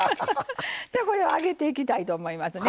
じゃあこれを揚げていきたいと思いますね。